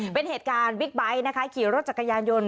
เป็นเหตุการณ์บิ๊กไบท์นะคะขี่รถจักรยานยนต์